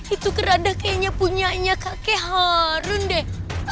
itu keranda kayaknya punya kakek harun deh